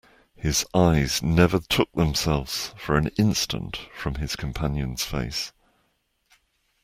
His eyes never took themselves for an instant from his companion's face.